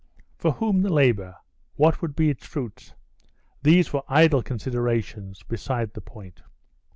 For whom the labor? What would be its fruits? These were idle considerations—beside the point.